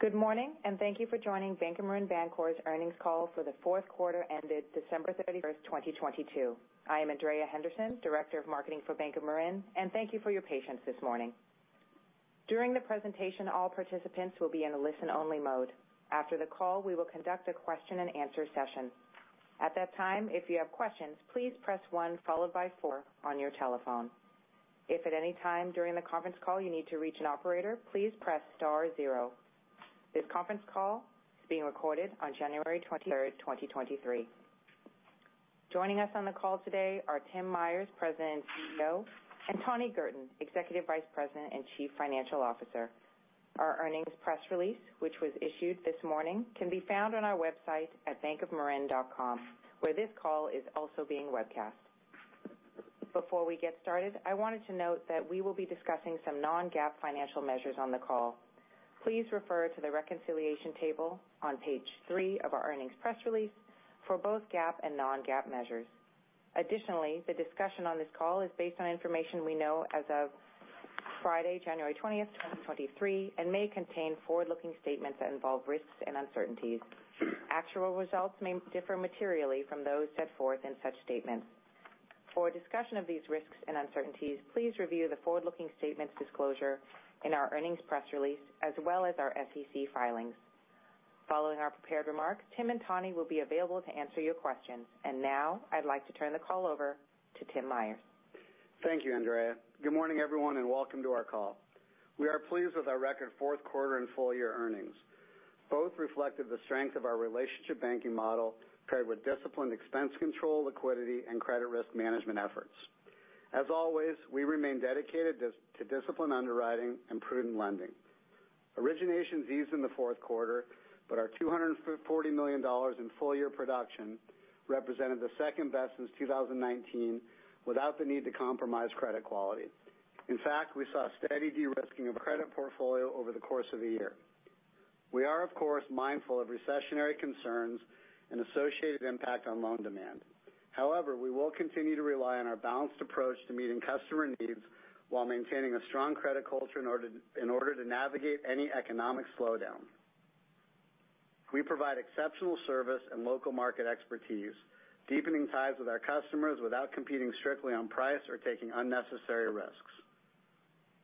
Good morning, thank you for joining Bank of Marin Bancorp's earnings call for the fourth quarter ended December 31st, 2022. I am Andrea Henderson, Director of Marketing for Bank of Marin, and thank you for your patience this morning. During the presentation, all participants will be in a listen-only mode. After the call, we will conduct a question and answer session. At that time, if you have questions, please press 1 followed by 4 on your telephone. If at any time during the conference call you need to reach an operator, please press star 0. This conference call is being recorded on January 23rd, 2023. Joining us on the call today are Tim Myers, President and CEO, and Tawnia Kirtley, Executive Vice President and Chief Financial Officer. Our earnings press release, which was issued this morning, can be found on our website at bankofmarin.com, where this call is also being webcast. Before we get started, I wanted to note that we will be discussing some non-GAAP financial measures on the call. Please refer to the reconciliation table on page 3 of our earnings press release for both GAAP and non-GAAP measures. Additionally, the discussion on this call is based on information we know as of Friday, January 20th, 2023, and may contain forward-looking statements that involve risks and uncertainties. Actual results may differ materially from those set forth in such statements. For a discussion of these risks and uncertainties, please review the forward-looking statements disclosure in our earnings press release, as well as our SEC filings. Following our prepared remarks, Tim and Tawnia will be available to answer your questions. Now I'd like to turn the call over to Tim Myers. Thank you, Andrea. Good morning, everyone. Welcome to our call. We are pleased with our record fourth quarter and full year earnings. Both reflected the strength of our relationship banking model, paired with disciplined expense control, liquidity, and credit risk management efforts. As always, we remain dedicated to disciplined underwriting and prudent lending. Originations eased in the fourth quarter, Our $240 million in full year production represented the second best since 2019 without the need to compromise credit quality. In fact, we saw steady de-risking of credit portfolio over the course of the year. We are, of course, mindful of recessionary concerns and associated impact on loan demand. We will continue to rely on our balanced approach to meeting customer needs while maintaining a strong credit culture in order to navigate any economic slowdown. We provide exceptional service and local market expertise, deepening ties with our customers without competing strictly on price or taking unnecessary risks.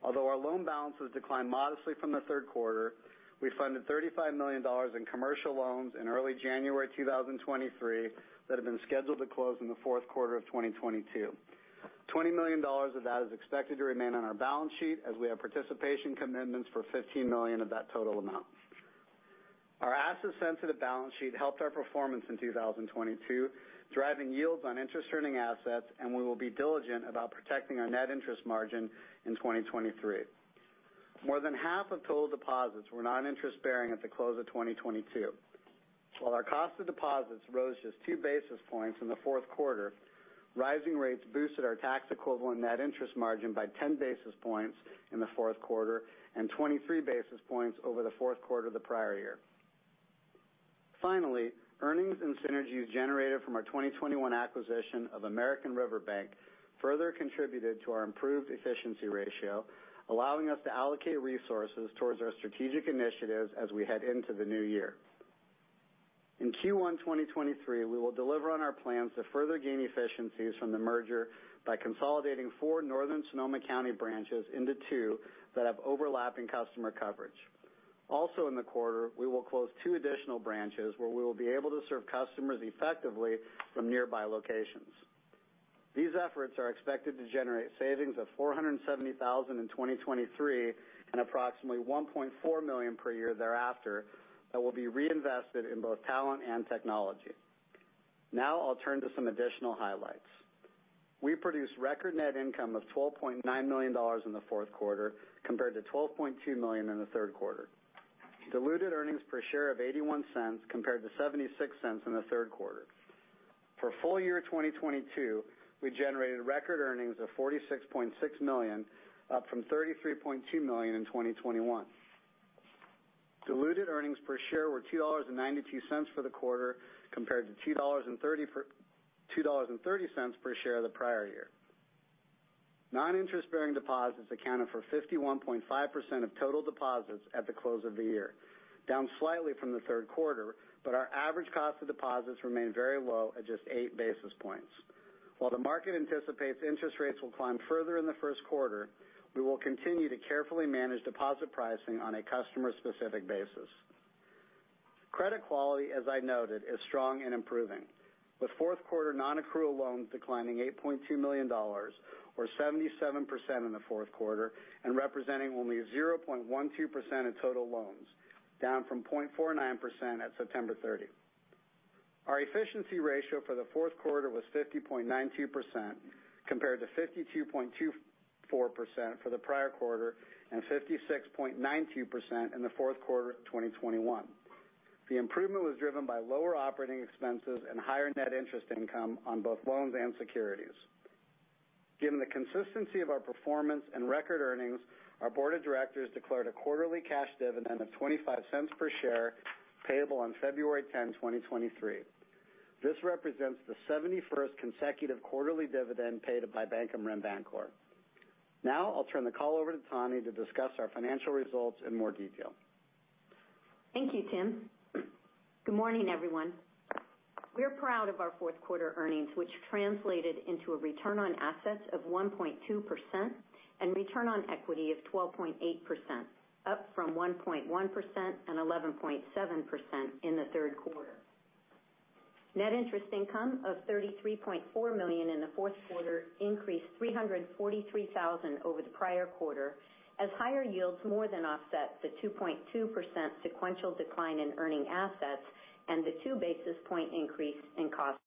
Although our loan balances declined modestly from the third quarter, we funded $35 million in commercial loans in early January 2023 that have been scheduled to close in the fourth quarter of 2022. $20 million of that is expected to remain on our balance sheet as we have participation commitments for $15 million of that total amount. Our asset-sensitive balance sheet helped our performance in 2022, driving yields on interest-earning assets, and we will be diligent about protecting our net interest margin in 2023. More than half of total deposits were non-interest-bearing at the close of 2022. While our cost of deposits rose just 2 basis points in the fourth quarter, rising rates boosted our tax-equivalent net interest margin by 10 basis points in the fourth quarter and 23 basis points over the fourth quarter of the prior year. Finally, earnings and synergies generated from our 2021 acquisition of American River Bank further contributed to our improved efficiency ratio, allowing us to allocate resources towards our strategic initiatives as we head into the new year. In Q1 2023, we will deliver on our plans to further gain efficiencies from the merger by consolidating 4 Northern Sonoma County branches into 2 that have overlapping customer coverage. In the quarter, we will close 2 additional branches where we will be able to serve customers effectively from nearby locations. These efforts are expected to generate savings of $470,000 in 2023 and approximately $1.4 million per year thereafter that will be reinvested in both talent and technology. I'll turn to some additional highlights. We produced record net income of $12.9 million in the fourth quarter compared to $12.2 million in the third quarter. Diluted earnings per share of $0.81 compared to $0.76 in the third quarter. For full year 2022, we generated record earnings of $46.6 million, up from $33.2 million in 2021. Diluted earnings per share were $2.92 for the quarter compared to $2.30 per share the prior year. Non-interest-bearing deposits accounted for 51.5% of total deposits at the close of the year, down slightly from the third quarter, but our average cost of deposits remained very low at just 8 basis points. While the market anticipates interest rates will climb further in the first quarter, we will continue to carefully manage deposit pricing on a customer-specific basis. Credit quality, as I noted, is strong and improving, with fourth quarter non-accrual loans declining $8.2 million or 77% in the fourth quarter and representing only 0.12% of total loans, down from 0.49% at September 30. Our efficiency ratio for the fourth quarter was 50.92% compared to 52.24% for the prior quarter and 56.92% in the fourth quarter of 2021. The improvement was driven by lower operating expenses and higher net interest income on both loans and securities. Given the consistency of our performance and record earnings, our board of directors declared a quarterly cash dividend of $0.25 per share payable on February 10, 2023. This represents the 71st consecutive quarterly dividend paid by Bank of Marin Bancorp. Now I'll turn the call over to Tawnia Kirtley to discuss our financial results in more detail. Thank you, Tim. Good morning, everyone. We're proud of our fourth quarter earnings, which translated into a return on assets of 1.2% and return on equity of 12.8%, up from 1.1% and 11.7% in the third quarter. Net interest income of $33.4 million in the fourth quarter increased $343,000 over the prior quarter as higher yields more than offset the 2.2% sequential decline in earning assets and the two basis point increase in cost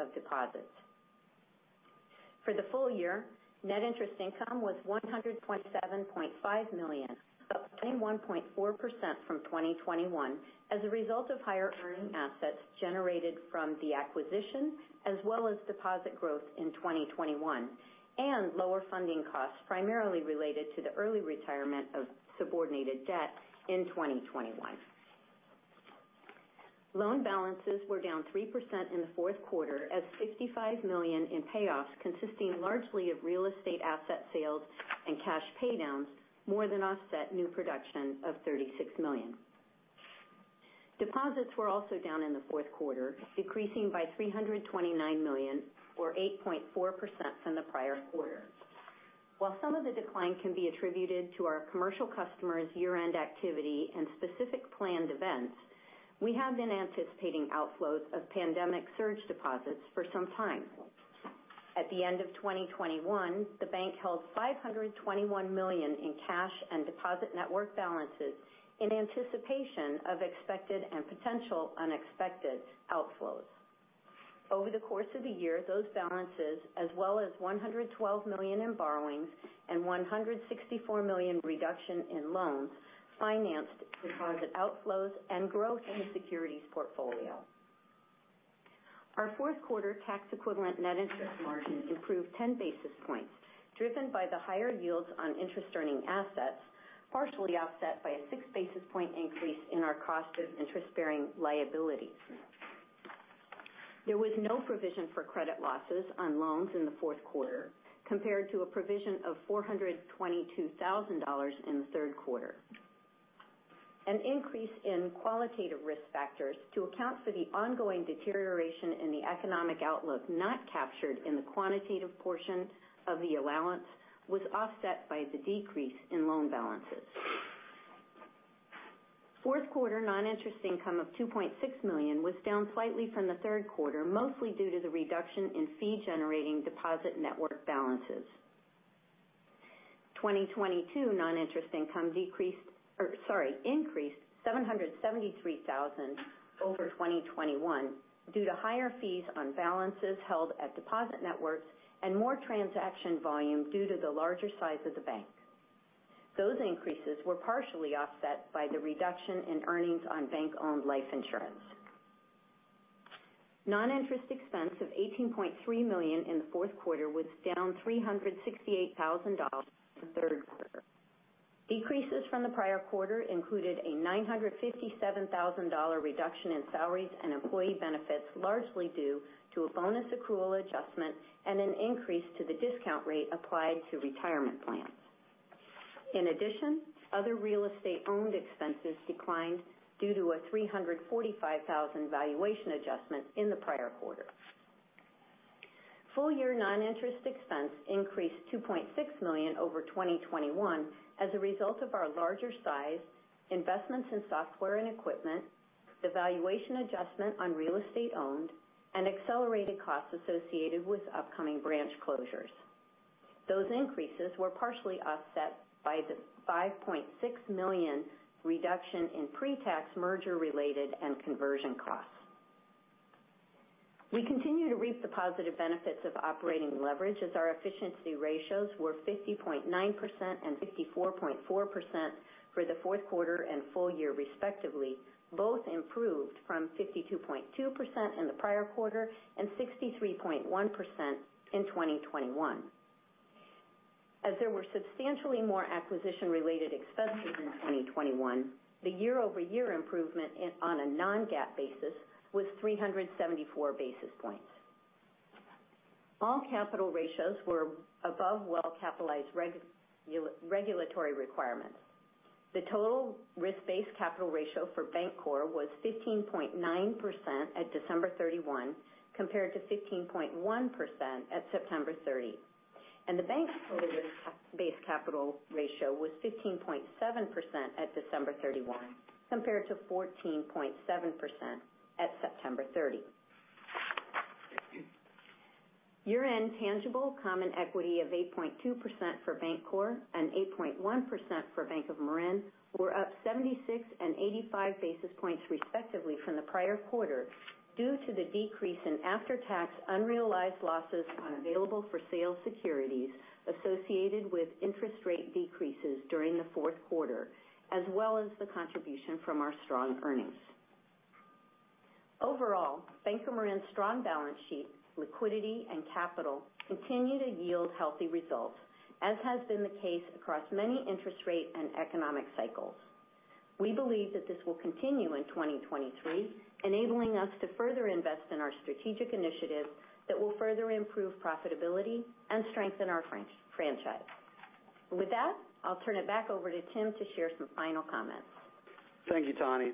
of deposits. For the full year, net interest income was $107.5 million, up 21.4% from 2021, as a result of higher earning assets generated from the acquisition as well as deposit growth in 2021 and lower funding costs, primarily related to the early retirement of subordinated debt in 2021. Loan balances were down 3% in the fourth quarter as $65 million in payoffs, consisting largely of real estate asset sales and cash pay downs more than offset new production of $36 million. Deposits were also down in the fourth quarter, decreasing by $329 million or 8.4% from the prior quarter. While some of the decline can be attributed to our commercial customers year-end activity and specific planned events, we have been anticipating outflows of pandemic surge deposits for some time. At the end of 2021, the bank held $521 million in cash and deposit network balances in anticipation of expected and potential unexpected outflows. Over the course of the year, those balances, as well as $112 million in borrowings and $164 million reduction in loans, financed deposit outflows and growth in the securities portfolio. Our fourth quarter tax-equivalent net interest margin improved 10 basis points, driven by the higher yields on interest earning assets, partially offset by a 6 basis point increase in our cost of interest-bearing liabilities. There was no provision for credit losses on loans in the fourth quarter compared to a provision of $422,000 in the third quarter. An increase in qualitative risk factors to account for the ongoing deterioration in the economic outlook, not captured in the quantitative portion of the allowance, was offset by the decrease in loan balances. Fourth quarter non-interest income of $2.6 million was down slightly from the third quarter, mostly due to the reduction in fee-generating deposit network balances. 2022 non-interest income increased $773,000 over 2021 due to higher fees on balances held at deposit networks and more transaction volume due to the larger size of the bank. Those increases were partially offset by the reduction in earnings on bank-owned life insurance. Non-interest expense of $18.3 million in the fourth quarter was down $368,000 in the third quarter. Decreases from the prior quarter included a $957,000 reduction in salaries and employee benefits, largely due to a bonus accrual adjustment and an increase to the discount rate applied to retirement plans. Other real estate-owned expenses declined due to a $345,000 valuation adjustment in the prior quarter. Full year non-interest expense increased $2.6 million over 2021 as a result of our larger size, investments in software and equipment, the valuation adjustment on real estate owned and accelerated costs associated with upcoming branch closures. Those increases were partially offset by the $5.6 million reduction in pre-tax merger-related and conversion costs. We continue to reap the positive benefits of operating leverage as our efficiency ratios were 50.9% and 64.4% for the fourth quarter and full year respectively, both improved from 52.2% in the prior quarter and 63.1% in 2021. There were substantially more acquisition-related expenses in 2021, the year-over-year improvement on a non-GAAP basis was 374 basis points. All capital ratios were above well-capitalized regulatory requirements. The Total risk-based capital ratio for Bancorp was 15.9% at December 31, compared to 15.1% at September 30. The Bank's Total risk-based capital ratio was 15.7% at December 31, compared to 14.7% at September 30. Year-end tangible common equity of 8.2% for Bancorp and 8.1% for Bank of Marin were up 76 and 85 basis points respectively from the prior quarter due to the decrease in after-tax unrealized losses on available-for-sale securities associated with interest rate decreases during the fourth quarter, as well as the contribution from our strong earnings. Bank of Marin's strong balance sheet, liquidity, and capital continue to yield healthy results, as has been the case across many interest rate and economic cycles. We believe that this will continue in 2023, enabling us to further invest in our strategic initiatives that will further improve profitability and strengthen our franchise. With that, I'll turn it back over to Tim Myers to share some final comments. Thank you, Tawnia.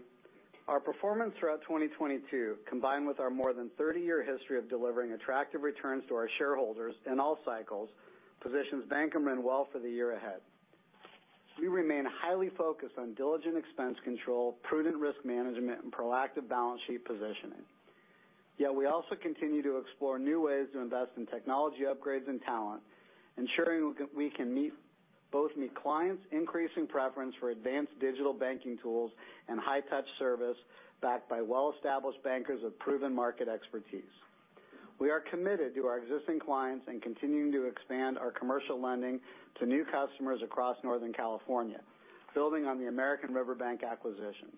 Our performance throughout 2022, combined with our more than 30-year history of delivering attractive returns to our shareholders in all cycles, positions Bank of Marin Bancorp well for the year ahead. We remain highly focused on diligent expense control, prudent risk management, and proactive balance sheet positioning. We also continue to explore new ways to invest in technology upgrades and talent, ensuring we can both meet clients' increasing preference for advanced digital banking tools and high-touch service backed by well-established bankers of proven market expertise. We are committed to our existing clients and continuing to expand our commercial lending to new customers across Northern California, building on the American River Bank acquisition.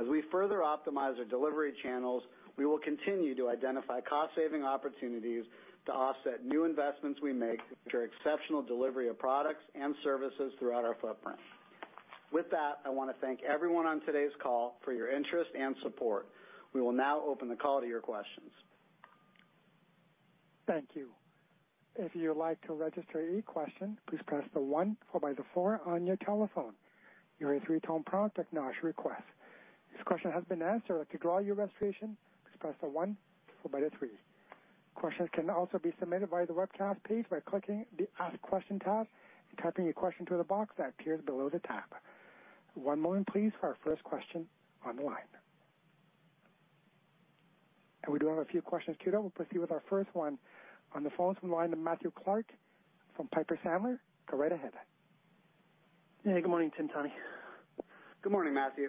As we further optimize our delivery channels, we will continue to identify cost-saving opportunities to offset new investments we make to ensure exceptional delivery of products and services throughout our footprint. I want to thank everyone on today's call for your interest and support. We will now open the call to your questions. Thank you. If you would like to register any question, please press the 1 followed by the 4 on your telephone. You will hear a 3-tone prompt to acknowledge your request. If this question has been asked or like to draw your registration, please press the 1 followed by the 3. Questions can also be submitted via the webcast page by clicking the Ask Question tab and typing your question to the box that appears below the tab. One moment please for our first question on the line. We do have a few questions queued up. We'll proceed with our first one on the phone from the line of Matthew Clark from Piper Sandler. Go right ahead. Yeah. Good morning, Tim, Tawnia Kirtley. Good morning, Matthew.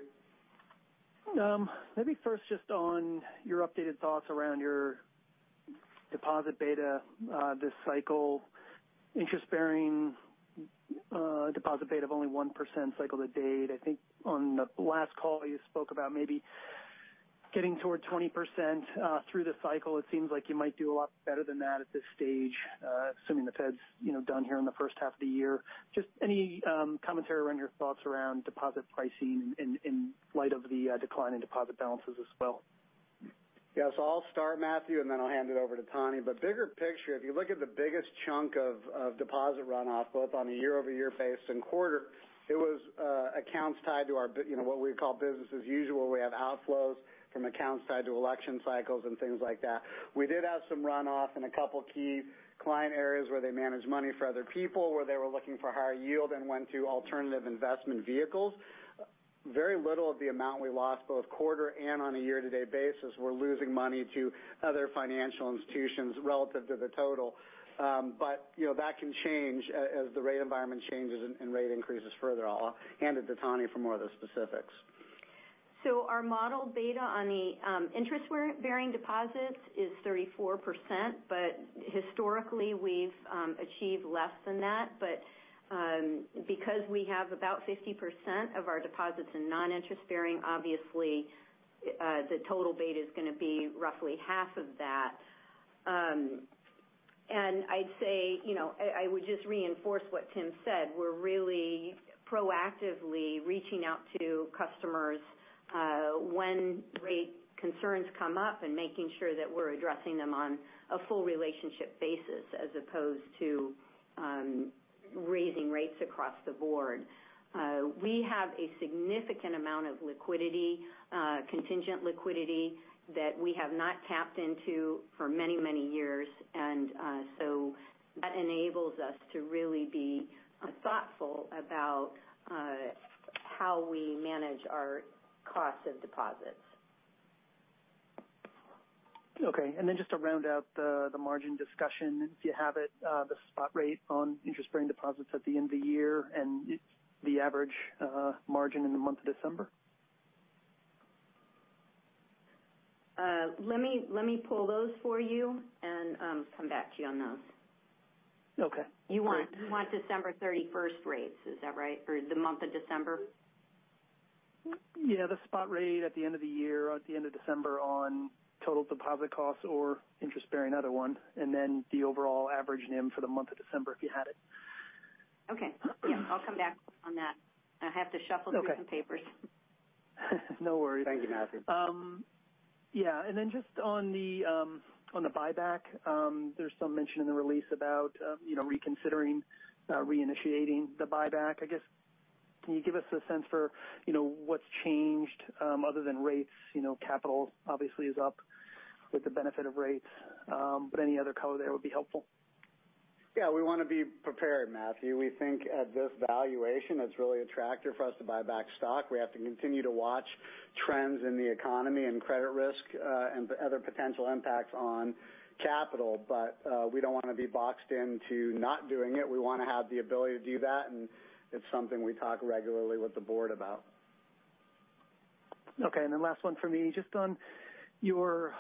Maybe first just on your updated thoughts around your deposit beta, this cycle, interest-bearing, deposit beta of only 1% cycle to date. I think on the last call, you spoke about maybe getting toward 20% through the cycle. It seems like you might do a lot better than that at this stage, assuming the Fed's, you know, done here in the first half of the year. Just any commentary around your thoughts around deposit pricing in light of the decline in deposit balances as well? I'll start, Matthew, and then I'll hand it over to Tawnia Kirtley. Bigger picture, if you look at the biggest chunk of deposit runoff, both on a year-over-year basis and quarter, it was accounts tied to our, you know, what we would call business as usual. We have outflows from accounts tied to election cycles and things like that. We did have some runoff in a couple key client areas where they manage money for other people, where they were looking for higher yield and went to alternative investment vehicles. Very little of the amount we lost, both quarter and on a year-to-date basis, were losing money to other financial institutions relative to the total. You know, that can change as the rate environment changes and rate increases further. I'll hand it to Tawnia Kirtley for more of the specifics. Our model beta on the interest-bearing deposits is 34%, but historically, we've achieved less than that. Because we have about 50% of our deposits in non-interest bearing, obviously, the total beta is gonna be roughly half of that. I'd say, you know, I would just reinforce what Tim said. We're really proactively reaching out to customers when rate concerns come up and making sure that we're addressing them on a full relationship basis as opposed to raising rates across the board. We have a significant amount of liquidity, contingent liquidity that we have not tapped into for many, many years. That enables us to really be thoughtful about how we manage our cost of deposits. Okay. Then just to round out the margin discussion, if you have it, the spot rate on interest-bearing deposits at the end of the year and the average, margin in the month of December? Let me pull those for you and, come back to you on those. Okay. You want December 31st rates, is that right? Or the month of December? Yeah. The spot rate at the end of the year or at the end of December on total deposit costs or interest bearing, either one, and then the overall average NIM for the month of December, if you had it? Okay. Yeah. I'll come back on that. I have to shuffle through some papers. No worries. Thank you, Matthew. Yeah. Just on the on the buyback, there's some mention in the release about, you know, reconsidering reinitiating the buyback. I guess, can you give us a sense for, you know, what's changed other than rates? You know, capital obviously is up with the benefit of rates, but any other color there would be helpful. Yeah. We wanna be prepared, Matthew. We think at this valuation, it's really attractive for us to buy back stock. We have to continue to watch trends in the economy and credit risk, and other potential impacts on capital. We don't wanna be boxed into not doing it. We wanna have the ability to do that, and it's something we talk regularly with the board about. Okay. Last one for me. Just on your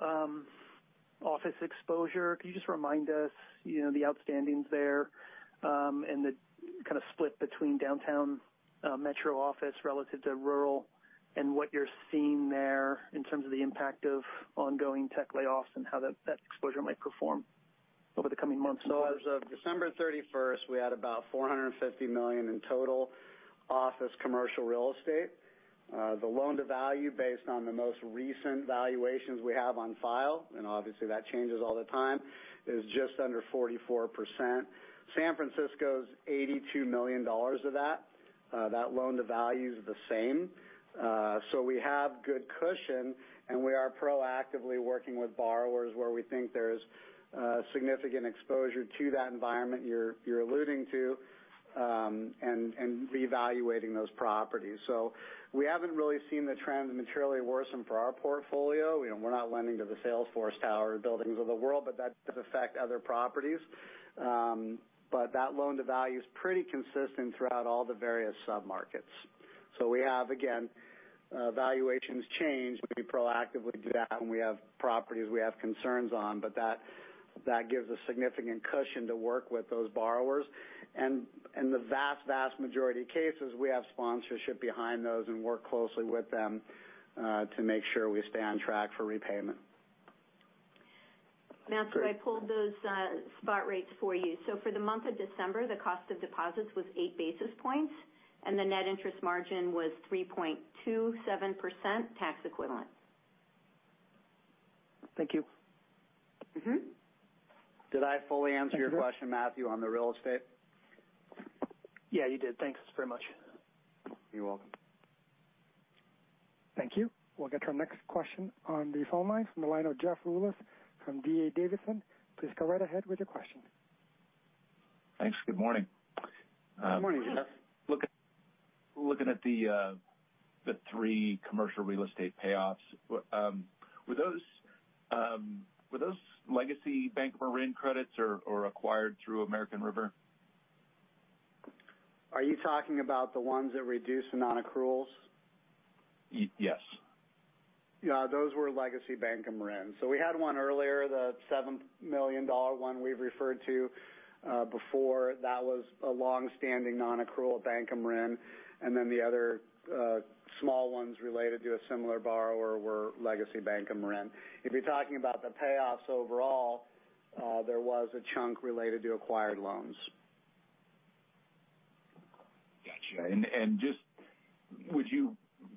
office exposure. Can you just remind us, you know, the outstandings there, and the kind of split between downtown, metro office relative to rural and what you're seeing there in terms of the impact of ongoing tech layoffs and how that exposure might perform over the coming months? As of December 31st, we had about $450 million in total office commercial real estate. The loan-to-value based on the most recent valuations we have on file, and obviously that changes all the time, is just under 44%. San Francisco is $82 million of that. That loan-to-value is the same. We have good cushion, and we are proactively working with borrowers where we think there's significant exposure to that environment you're alluding to, and revaluating those properties. We haven't really seen the trend materially worsen for our portfolio. You know, we're not lending to the Salesforce Tower buildings of the world, but that does affect other properties. That loan-to-value is pretty consistent throughout all the various submarkets. We have, again, valuations change. We proactively do that when we have properties we have concerns on, but that gives a significant cushion to work with those borrowers. In the vast majority of cases, we have sponsorship behind those and work closely with them to make sure we stay on track for repayment. Great. Matthew, I pulled those spot rates for you. For the month of December, the cost of deposits was 8 basis points. The net interest margin was 3.27% tax equivalent. Thank you. Mm-hmm. Did I fully answer your question, Matthew, on the real estate? Yeah, you did. Thanks very much. You're welcome. Thank you. We'll get our next question on the phone line from the line of Jeff Rulis from D.A. Davidson. Please go right ahead with your question. Thanks. Good morning. Good morning, Jeff. Looking at the 3 commercial real estate payoffs. Were those legacy Bank of Marin credits or acquired through American River? Are you talking about the ones that reduced nonaccruals? Yes. Yeah, those were legacy Bank of Marin. We had one earlier, the $7 million one we've referred to, before. That was a long-standing nonaccrual at Bank of Marin. The other, small ones related to a similar borrower were legacy Bank of Marin. If you're talking about the payoffs overall, there was a chunk related to acquired loans. Gotcha.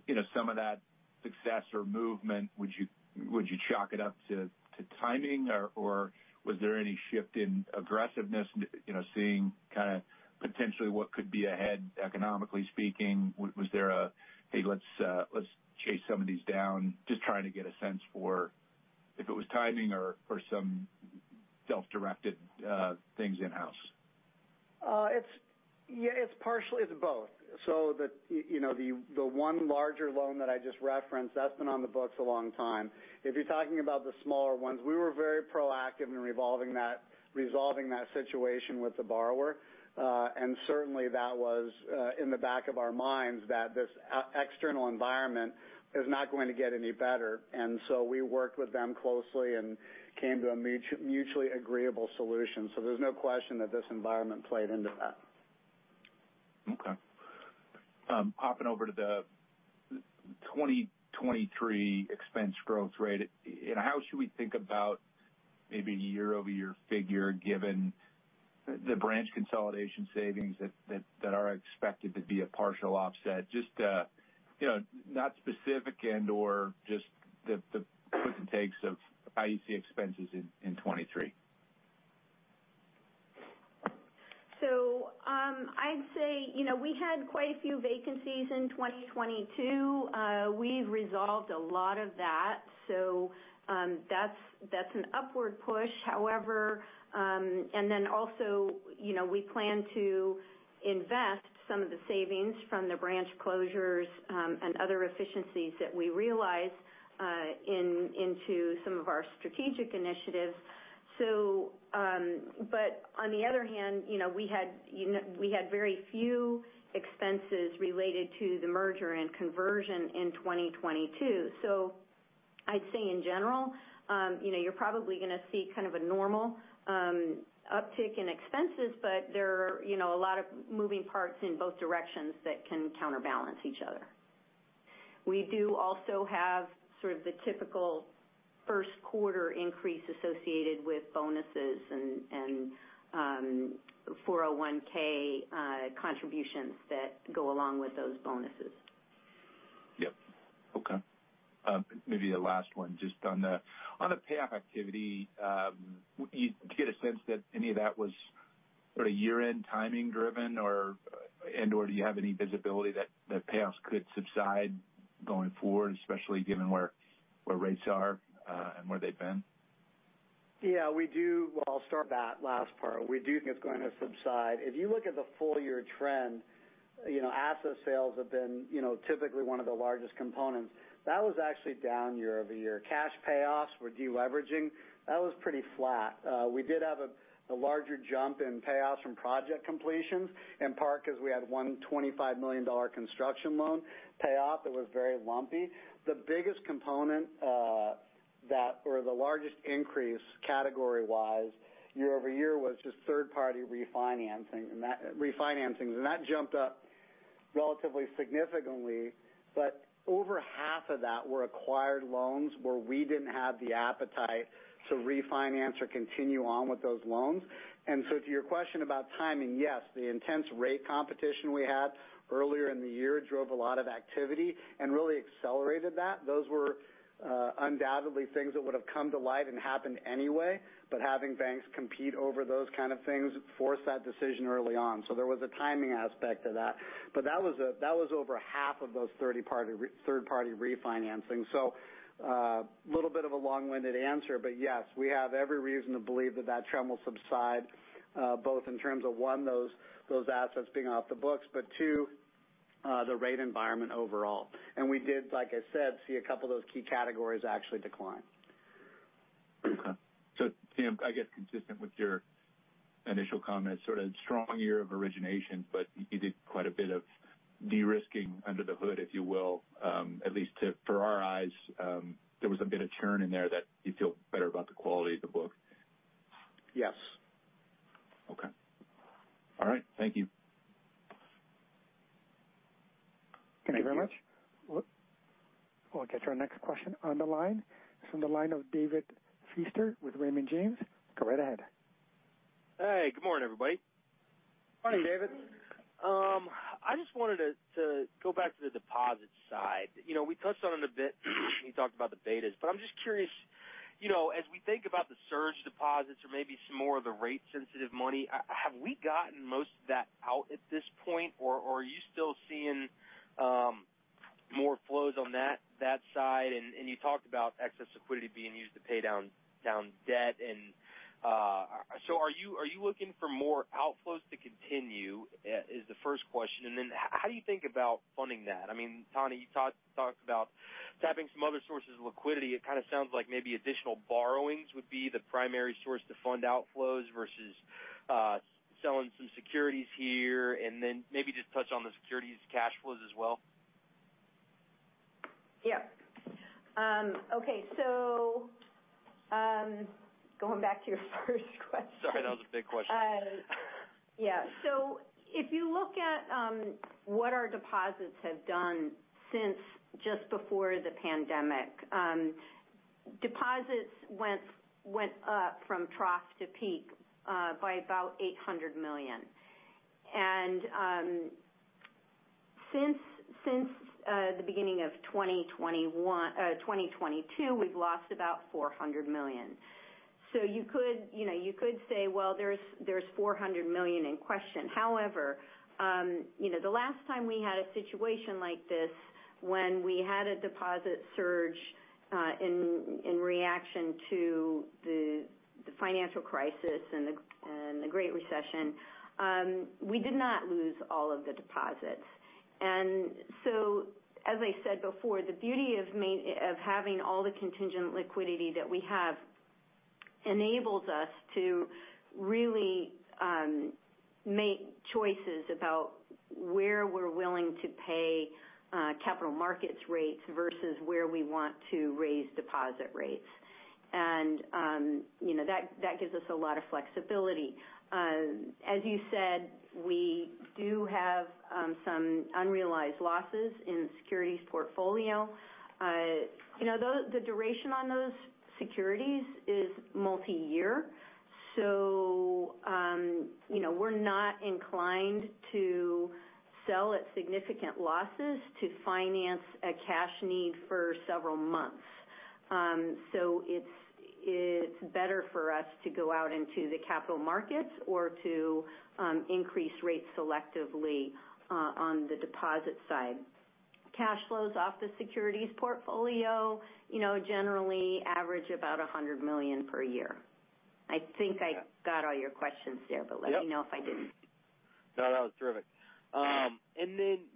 You know, some of that success or movement, would you chalk it up to timing or was there any shift in aggressiveness, you know, seeing kind of potentially what could be ahead economically speaking? Was there a, "Hey, let's chase some of these down?" Just trying to get a sense for if it was timing or some self-directed things in-house. Yeah, it's partially. It's both. The, you know, the one larger loan that I just referenced, that's been on the books a long time. If you're talking about the smaller ones, we were very proactive in resolving that situation with the borrower. Certainly that was in the back of our minds that this external environment is not going to get any better. We worked with them closely and came to a mutually agreeable solution. There's no question that this environment played into that. Okay. Hopping over to the 2023 expense growth rate. You know, how should we think about maybe year-over-year figure given the branch consolidation savings that are expected to be a partial offset? Just, you know, not specific and/or just the puts and takes of how you see expenses in 2023? I'd say, you know, we had quite a few vacancies in 2022. We've resolved a lot of that. That's an upward push, however, and then also, you know, we plan to invest some of the savings from the branch closures and other efficiencies that we realize into some of our strategic initiatives. On the other hand, you know, we had, you know, we had very few expenses related to the merger and conversion in 2022. I'd say in general, you know, you're probably gonna see kind of a normal uptick in expenses, but there are, you know, a lot of moving parts in both directions that can counterbalance each other. We do also have sort of the typical first quarter increase associated with bonuses and 401(k) contributions that go along with those bonuses. Yep. Okay. Maybe the last one just on the, on the payoff activity. Do you get a sense that any of that was sort of year-end timing driven or, and/or do you have any visibility that the payoffs could subside going forward, especially given where rates are, and where they've been? Yeah, we do. Well, I'll start that last part. We do think it's going to subside. If you look at the full year trend, you know, asset sales have been, you know, typically one of the largest components. That was actually down year-over-year. Cash payoffs, we're de-leveraging. That was pretty flat. We did have a larger jump in payoffs from project completions in part because we had a $25 million construction loan payoff that was very lumpy. The biggest component, the largest increase category-wise year-over-year was just third party refinancings. That jumped up relatively significantly, but over half of that were acquired loans where we didn't have the appetite to refinance or continue on with those loans. To your question about timing, yes, the intense rate competition we had earlier in the year drove a lot of activity and really accelerated that. Those were undoubtedly things that would have come to light and happened anyway. Having banks compete over those kind of things forced that decision early on. There was a timing aspect to that. That was over half of those 30 third-party refinancing. Little bit of a long-winded answer, but yes, we have every reason to believe that that trend will subside, both in terms of, one, those assets being off the books, but two, the rate environment overall. We did, like I said, see a couple of those key categories actually decline. Tim, I guess consistent with your initial comments, sort of strong year of origination, but you did quite a bit of de-risking under the hood, if you will, for our eyes. There was a bit of churn in there that you feel better about the quality of the book. Yes. Okay. All right. Thank you. Thank you very much. Thank you. We'll get your next question on the line. From the line of David Feaster with Raymond James. Go right ahead. Hey, good morning, everybody. Morning, David. I just wanted to go back to the deposit side. You know, we touched on it a bit when you talked about the betas. I'm just curious, you know, as we think about the surge deposits or maybe some more of the rate sensitive money, have we gotten most of that out at this point, or are you still seeing more flows on that side? You talked about excess liquidity being used to pay down debt. Are you looking for more outflows to continue? Is the first question. How do you think about funding that? I mean, Tawnia Kirtley, you talked about tapping some other sources of liquidity. It kind of sounds like maybe additional borrowings would be the primary source to fund outflows versus selling some securities here and then maybe just touch on the securities cash flows as well. Going back to your first question. Sorry, that was a big question. Yeah. If you look at what our deposits have done since just before the pandemic, deposits went up from trough to peak by about $800 million. Since the beginning of 2022, we've lost about $400 million. You could, you know, you could say, well, there's $400 million in question. However, you know, the last time we had a situation like this when we had a deposit surge in reaction to the financial crisis and the Great Recession, we did not lose all of the deposits. As I said before, the beauty of having all the contingent liquidity that we have enables us to really make choices about where we're willing to pay capital markets rates versus where we want to raise deposit rates. You know, that gives us a lot of flexibility. As you said, we do have some unrealized losses in securities portfolio. You know, the duration on those securities is multiyear, so, you know, we're not inclined to sell at significant losses to finance a cash need for several months. It's better for us to go out into the capital markets or to increase rates selectively on the deposit side. Cash flows off the securities portfolio, you know, generally average about $100 million per year. I think I got all your questions there, but let me know if I didn't. No, that was terrific.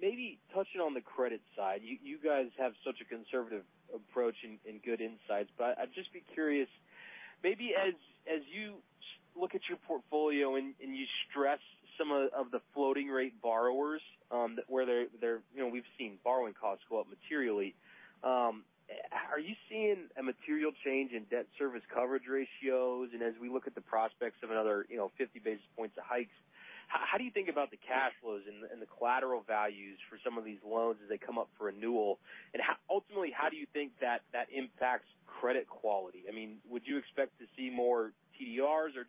Maybe touching on the credit side. You, you guys have such a conservative approach and good insights. I'd just be curious, maybe as you look at your portfolio and you stress some of the floating rate borrowers, where you know, we've seen borrowing costs go up materially. Are you seeing a material change in debt service coverage ratios? As we look at the prospects of another, you know, 50 basis points of hikes, how do you think about the cash flows and the, and the collateral values for some of these loans as they come up for renewal? Ultimately, how do you think that impacts credit quality? I mean, would you expect to see more TDRs or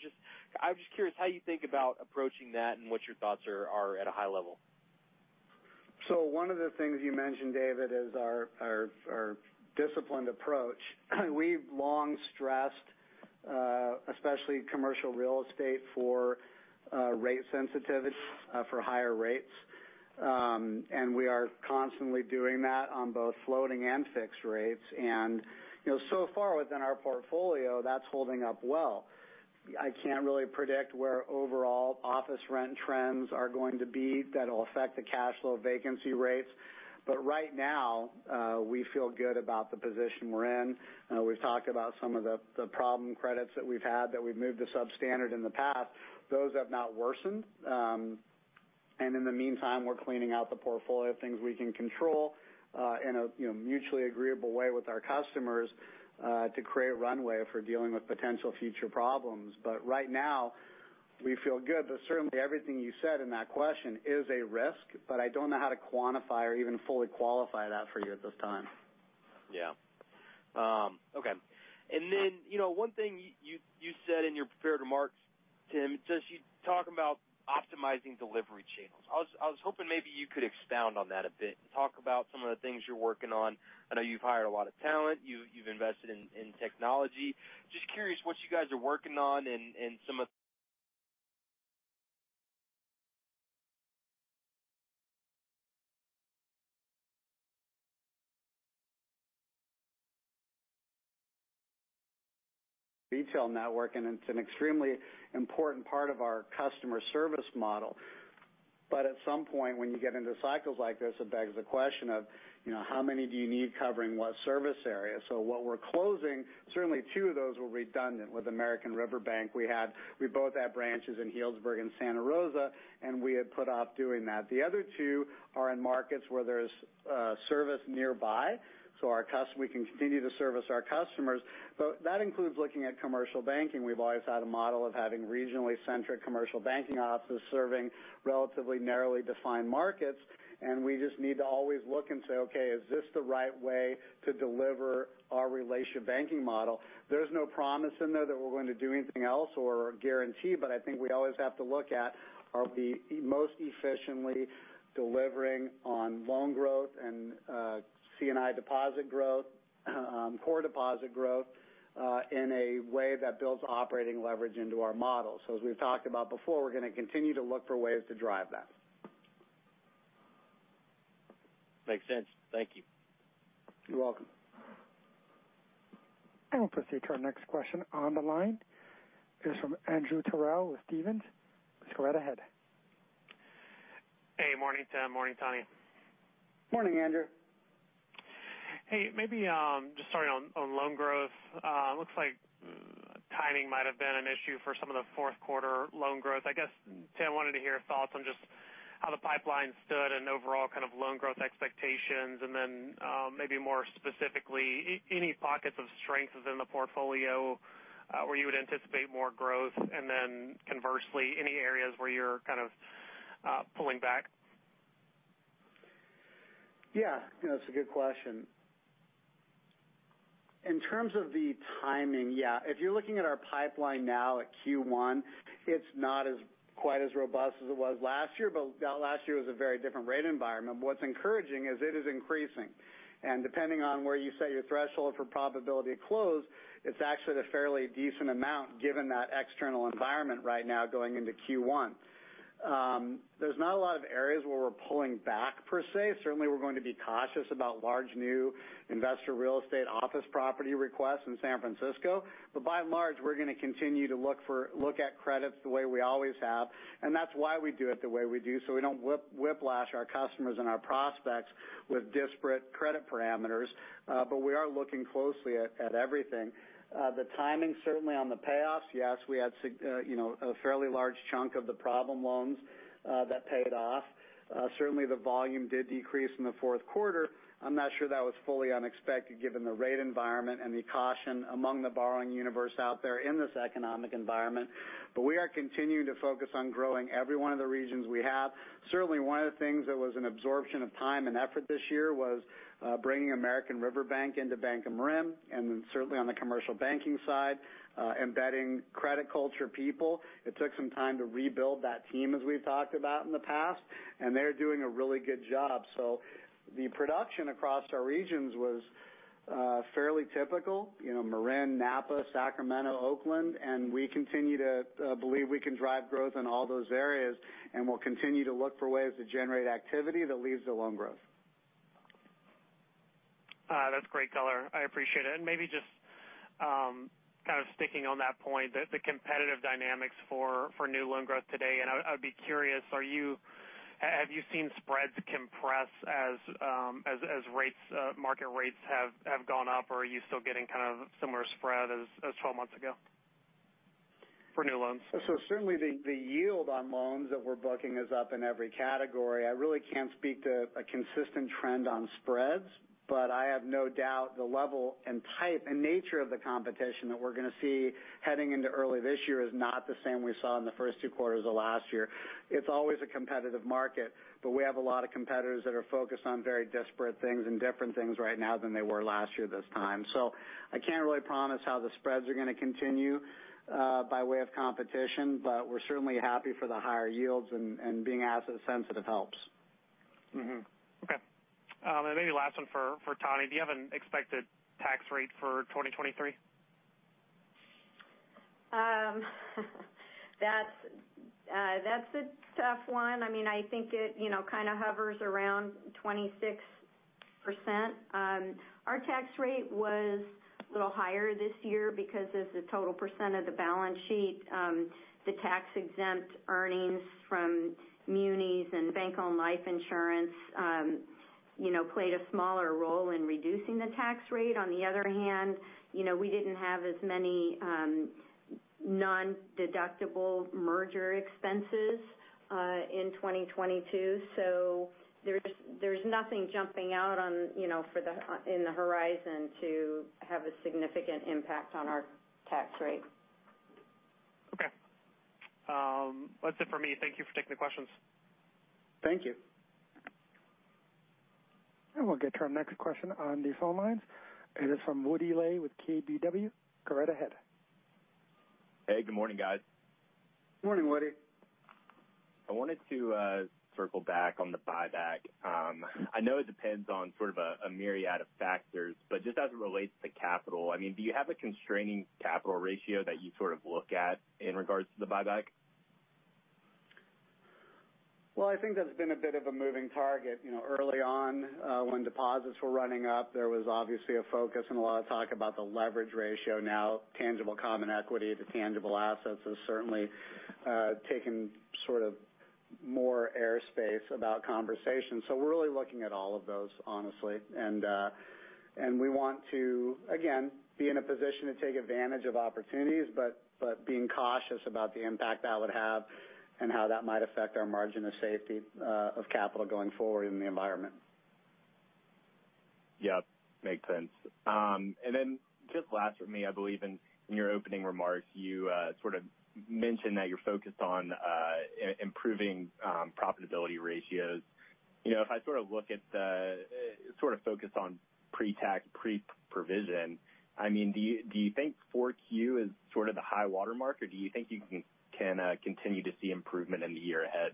I'm just curious how you think about approaching that and what your thoughts are at a high level. One of the things you mentioned, David, is our disciplined approach. We've long stressed, especially commercial real estate for rate sensitivity, for higher rates. We are constantly doing that on both floating and fixed rates. You know, so far within our portfolio, that's holding up well. I can't really predict where overall office rent trends are going to be that'll affect the cash flow vacancy rates. Right now, we feel good about the position we're in. We've talked about some of the problem credits that we've had that we've moved to substandard in the past. Those have not worsened. In the meantime, we're cleaning out the portfolio of things we can control, in a, you know, mutually agreeable way with our customers, to create runway for dealing with potential future problems. Right now, we feel good. Certainly, everything you said in that question is a risk, but I don't know how to quantify or even fully qualify that for you at this time. Yeah. Okay. You know, one thing you said in your prepared remarks, Tim, just you talk about optimizing delivery channels. I was hoping maybe you could expound on that a bit. Talk about some of the things you're working on. I know you've hired a lot of talent. You've invested in technology. Just curious what you guys are working on and some of... Retail network, it's an extremely important part of our customer service model. At some point, when you get into cycles like this, it begs the question of, you know, how many do you need covering what service area? What we're closing, certainly two of those were redundant. With American River Bank, we both had branches in Healdsburg and Santa Rosa, we had put off doing that. The other two are in markets where there's service nearby, so we can continue to service our customers. That includes looking at commercial banking. We've always had a model of having regionally centric commercial banking offices serving relatively narrowly defined markets. We just need to always look and say, "Okay, is this the right way to deliver our relationship banking model?" There's no promise in there that we're going to do anything else or guarantee, but I think we always have to look at are we most efficiently delivering on loan growth and C&I deposit growth, core deposit growth in a way that builds operating leverage into our model. As we've talked about before, we're gonna continue to look for ways to drive that. Makes sense. Thank you. You're welcome. I will proceed to our next question on the line. It is from Andrew Terrell with Stephens. Please go right ahead. Hey, morning, Tim. Morning, Tawnia. Morning, Andrew. Hey, maybe, just starting on loan growth. Looks like timing might have been an issue for some of the fourth quarter loan growth. I guess, Tim, wanted to hear thoughts on just how the pipeline stood and overall kind of loan growth expectations, and then, maybe more specifically, any pockets of strengths within the portfolio, where you would anticipate more growth, and then conversely, any areas where you're kind of, pulling back? Yeah. No, it's a good question. In terms of the timing, yeah. If you're looking at our pipeline now at Q1, it's not quite as robust as it was last year, but that last year was a very different rate environment. What's encouraging is it is increasing. Depending on where you set your threshold for probability to close, it's actually a fairly decent amount given that external environment right now going into Q1. There's not a lot of areas where we're pulling back per se. Certainly, we're going to be cautious about large new investor real estate office property requests in San Francisco. By and large, we're gonna continue to look at credits the way we always have, and that's why we do it the way we do, so we don't whiplash our customers and our prospects with disparate credit parameters. We are looking closely at everything. The timing certainly on the payoffs, yes, we had you know, a fairly large chunk of the problem loans that paid off. Certainly the volume did decrease in the fourth quarter. I'm not sure that was fully unexpected given the rate environment and the caution among the borrowing universe out there in this economic environment. We are continuing to focus on growing every one of the regions we have. Certainly, one of the things that was an absorption of time and effort this year was bringing American River Bank into Bank of Marin, and then certainly on the commercial banking side, embedding credit culture people. It took some time to rebuild that team as we've talked about in the past, and they're doing a really good job. The production across our regions was fairly typical. You know, Marin, Napa, Sacramento, Oakland, and we continue to believe we can drive growth in all those areas, and we'll continue to look for ways to generate activity that leads to loan growth. That's great color. I appreciate it. Maybe just, kind of sticking on that point, the competitive dynamics for new loan growth today. I would be curious, have you seen spreads compress as rates, market rates have gone up? Or are you still getting kind of similar spread as 12 months ago for new loans? Certainly the yield on loans that we're booking is up in every category. I really can't speak to a consistent trend on spreads, but I have no doubt the level and type and nature of the competition that we're gonna see heading into early this year is not the same we saw in the first two quarters of last year. It's always a competitive market, but we have a lot of competitors that are focused on very disparate things and different things right now than they were last year this time. I can't really promise how the spreads are gonna continue by way of competition, but we're certainly happy for the higher yields and being asset sensitive helps. Okay. Maybe last one for Tawnia. Do you have an expected tax rate for 2023? That's, that's a tough one. I mean, I think it, you know, kind of hovers around 26%. Our tax rate was a little higher this year because as a total percent of the balance sheet, the tax-exempt earnings from munis and bank-owned life insurance. You know, played a smaller role in reducing the tax rate. On the other hand, you know, we didn't have as many nondeductible merger expenses in 2022. There's nothing jumping out on, you know, in the horizon to have a significant impact on our tax rate. Okay. That's it for me. Thank you for taking the questions. Thank you. We'll get to our next question on the phone lines. It is from Woody Lay with KBW. Go right ahead. Hey, good morning, guys. Morning, Woody. I wanted to circle back on the buyback. I know it depends on sort of a myriad of factors, but just as it relates to capital, I mean, do you have a constraining capital ratio that you sort of look at in regards to the buyback? Well, I think that's been a bit of a moving target. You know, early on, when deposits were running up, there was obviously a focus and a lot of talk about the leverage ratio. Tangible common equity to tangible assets has certainly taken sort of more airspace about conversations. We're really looking at all of those, honestly. We want to again, be in a position to take advantage of opportunities, but being cautious about the impact that would have and how that might affect our margin of safety, of capital going forward in the environment. Yep, makes sense. Just last for me, I believe in your opening remarks, you sort of mentioned that you're focused on improving profitability ratios. You know, if I sort of look at the sort of focus on Pre-tax, Pre-provision, I mean, do you think Q4 is sort of the high watermark, or do you think you can continue to see improvement in the year ahead?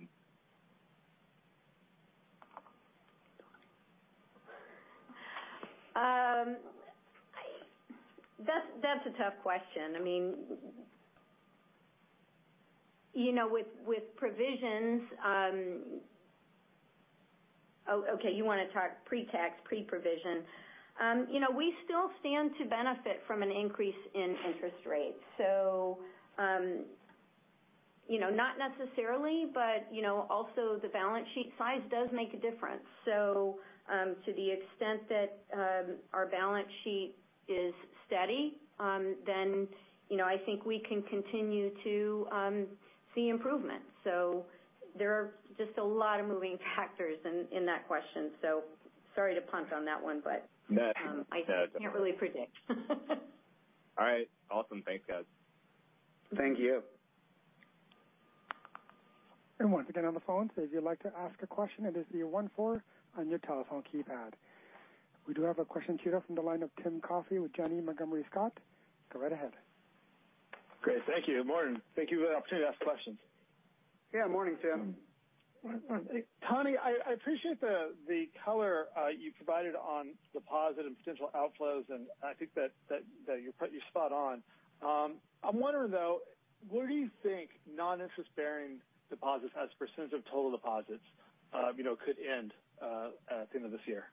That's a tough question. I mean, you know, with provisions. Oh, okay, you wanna talk pre-tax, pre-provision. You know, we still stand to benefit from an increase in interest rates. You know, not necessarily, but, you know, also the balance sheet size does make a difference. To the extent that our balance sheet is steady, then, you know, I think we can continue to see improvement. There are just a lot of moving factors in that question. Sorry to punt on that one, but. No, no.... I can't really predict. All right. Awesome. Thanks, guys. Thank you. Once again on the phone, so if you'd like to ask a question, it is the one four on your telephone keypad. We do have a question queued up from the line of Timothy Coffey with Janney Montgomery Scott. Go right ahead. Great. Thank you. Morning. Thank you for the opportunity to ask questions. Yeah, morning, Tim. Tawnia Kirtley, I appreciate the color you provided on deposit and potential outflows. I think that you're spot on. I'm wondering, though, where do you think non-interest-bearing deposits as a % of total deposits, you know, could end at the end of this year?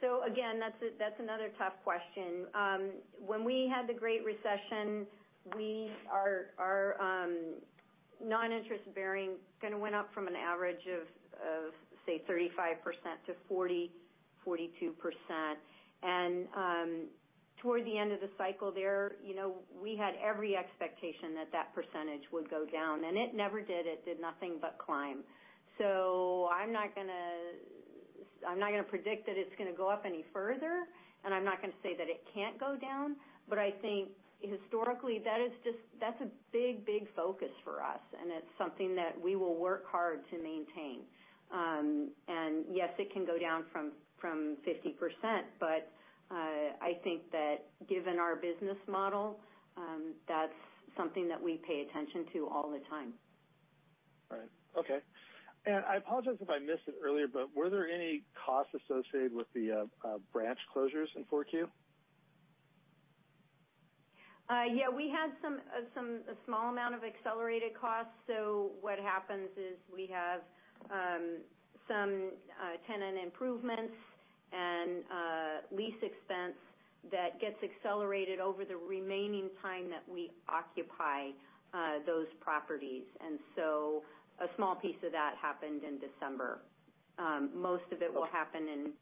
so again, that's another tough question. When we had the Great Recession, we our, non-interest-bearing kinda went up from an average of, say, 35% to 40%, 42%. Toward the end of the cycle there, you know, we had every expectation that that percentage would go down, and it never did. It did nothing but climb. I'm not gonna, I'm not gonna predict that it's gonna go up any further, and I'm not gonna say that it can't go down. I think historically that's a big, big focus for us, and it's something that we will work hard to maintain. And yes, it can go down from 50%, but I think that given our business model, that's something that we pay attention to all the time. Right. Okay. I apologize if I missed it earlier, but were there any costs associated with the branch closures in 4Q? Yeah, we had some, a small amount of accelerated costs. What happens is we have, some, tenant improvements and, lease expense that gets accelerated over the remaining time that we occupy, those properties. A small piece of that happened in December. Most of it will happen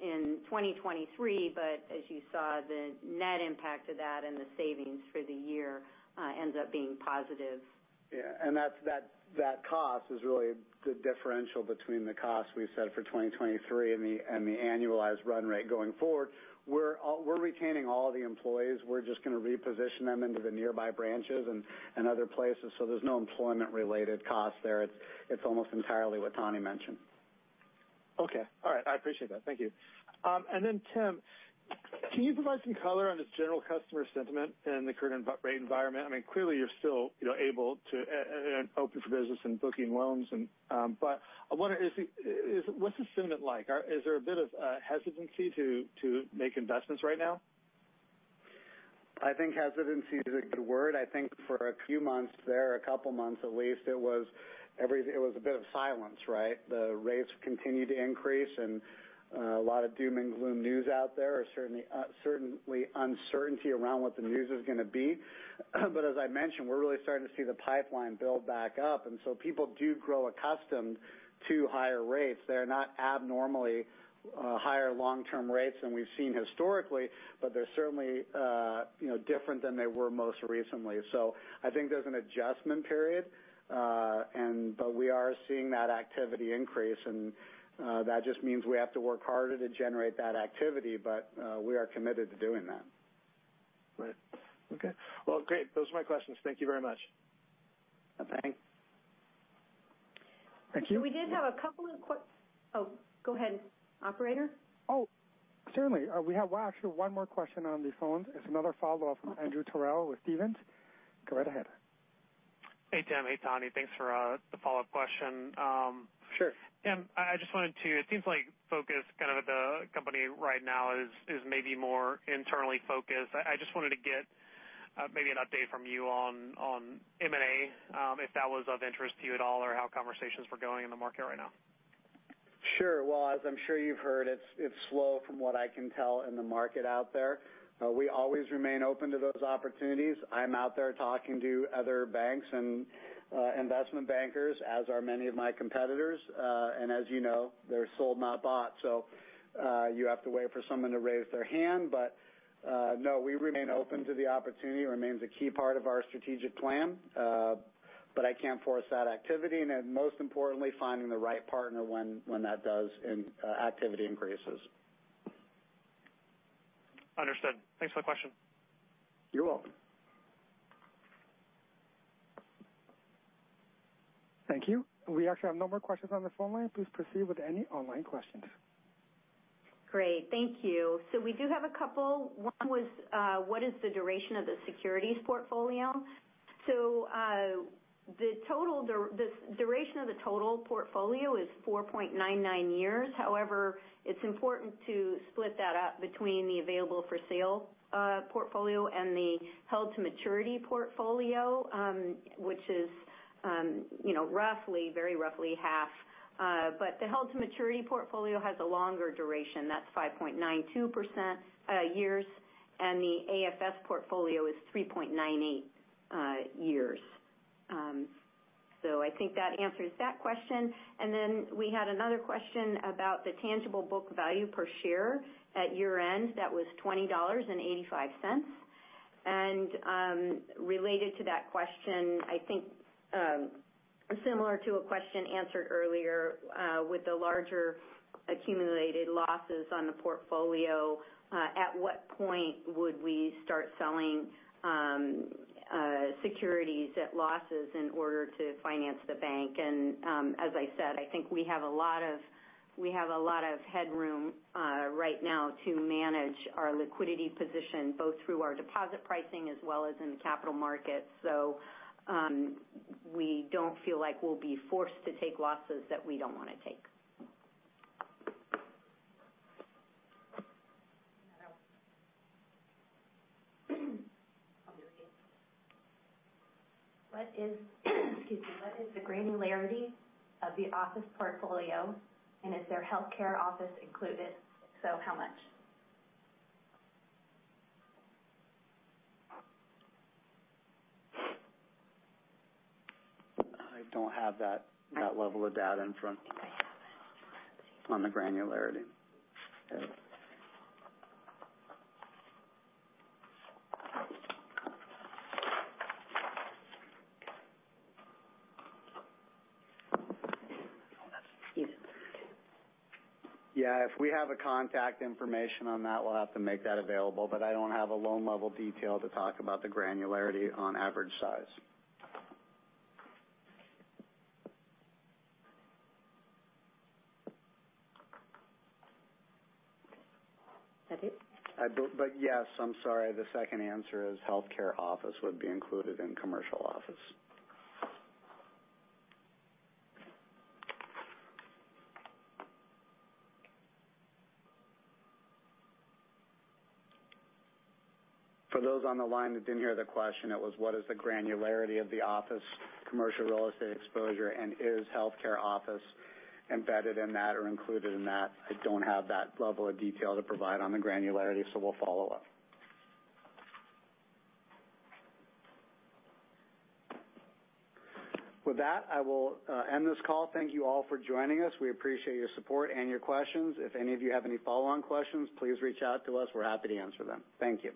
in 2023, but as you saw, the net impact of that and the savings for the year, ends up being positive. Yeah, that cost is really the differential between the cost we've set for 2023 and the annualized run rate going forward. We're retaining all the employees. We're just gonna reposition them into the nearby branches and other places, there's no employment-related costs there. It's almost entirely what Tawnia mentioned. Okay. All right. I appreciate that. Thank you. Tim, can you provide some color on the general customer sentiment in the current rate environment? I mean, clearly you're still, you know, able to and open for business and booking loans and I wonder what's the sentiment like? Is there a bit of hesitancy to make investments right now? I think hesitancy is a good word. I think for a few months there, a couple months at least, it was a bit of silence, right? The rates continued to increase, a lot of doom and gloom news out there are certainly uncertainty around what the news is gonna be. As I mentioned, we're really starting to see the pipeline build back up, people do grow accustomed to higher rates. They're not abnormally, higher long-term rates than we've seen historically, but they're certainly, you know, different than they were most recently. I think there's an adjustment period, but we are seeing that activity increase, that just means we have to work harder to generate that activity. We are committed to doing that. Right. Okay. Well, great. Those are my questions. Thank you very much. Okay. Thank you. We did have a couple of oh, go ahead, operator. Oh, certainly. We have one, actually one more question on the phone. It's another follow-up from Andrew Terrell with Stephens. Go right ahead. Hey, Tim. Hey, Tawnia. Thanks for the follow-up question. Sure. Tim. It seems like focus kind of at the company right now is maybe more internally focused. I just wanted to get maybe an update from you on M&A, if that was of interest to you at all or how conversations were going in the market right now. Sure. Well, as I'm sure you've heard, it's slow from what I can tell in the market out there. We always remain open to those opportunities. I'm out there talking to other banks and investment bankers, as are many of my competitors. As you know, they're sold, not bought, so you have to wait for someone to raise their hand. No, we remain open to the opportunity. Remains a key part of our strategic plan, but I can't force that activity, and then most importantly, finding the right partner when that does and activity increases. Understood. Thanks for the question. You're welcome. Thank you. We actually have no more questions on the phone line. Please proceed with any online questions. Great. Thank you. We do have a couple. One was, what is the duration of the securities portfolio? The duration of the total portfolio is 4.99 years. However, it's important to split that up between the available-for-sale portfolio and the held-to-maturity portfolio, which is, you know, roughly, very roughly half. The held-to-maturity portfolio has a longer duration. That's 5.92% years, and the AFS portfolio is 3.98 years. I think that answers that question. We had another question about the tangible book value per share at year-end. That was $20.85. Related to that question, I think, similar to a question answered earlier, with the larger accumulated losses on the portfolio, at what point would we start selling securities at losses in order to finance the bank? As I said, I think we have a lot of headroom right now to manage our liquidity position, both through our deposit pricing as well as in the capital markets. We don't feel like we'll be forced to take losses that we don't wanna take. What is, excuse me, what is the granularity of the office portfolio, and is there healthcare office included? If so, how much? I don't have that level of data in front on the granularity. Excuse me. Yeah, if we have a contact information on that, we'll have to make that available. I don't have a loan level detail to talk about the granularity on average size. That it? Yes, I'm sorry. The second answer is healthcare office would be included in commercial office. For those on the line that didn't hear the question, it was what is the granularity of the office commercial real estate exposure, and is healthcare office embedded in that or included in that? I don't have that level of detail to provide on the granularity. We'll follow up. With that, I will end this call. Thank you all for joining us. We appreciate your support and your questions. If any of you have any follow-on questions, please reach out to us. We're happy to answer them. Thank you.